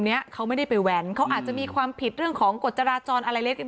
เนี้ยเขาไม่ได้ไปแว้นเขาอาจจะมีความผิดเรื่องของกฎจราจรอะไรเล็ก